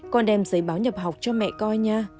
con đem giấy báo nhập học cho mẹ coi nha